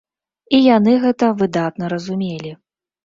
І яны гэта выдатна разумелі.